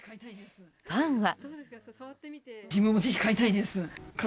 ファンは。